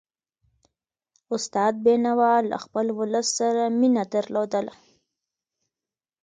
استاد بينوا له خپل ولس سره مینه درلودله.